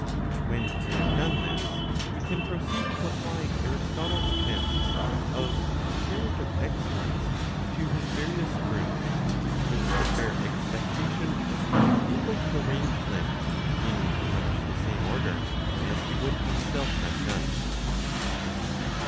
When we have done this, we can proceed to apply Aristotle's tests of comparative excellence to his various groups with the fair expectation of being able to arrange them in much the same order as he would himself have done.